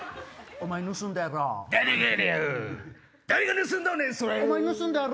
お前盗んだやろ。